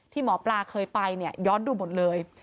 ที่หมอปลาเคยไปย้อนดูหมดเลย